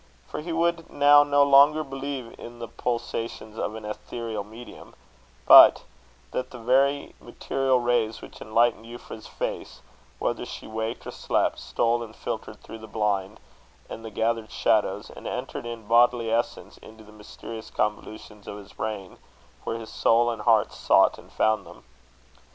For he would now no longer believe in the pulsations of an ethereal medium; but that the very material rays which enlightened Euphra's face, whether she waked or slept, stole and filtered through the blind and the gathered shadows, and entered in bodily essence into the mysterious convolutions of his brain, where his soul and heart sought and found them.